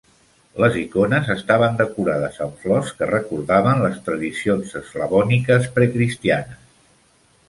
Les icones estaven decorades amb flors que recordaven les tradicions eslavòniques pre-Cristianes.